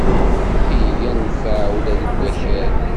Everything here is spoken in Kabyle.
Iga d nnfeɛ ula deg akal.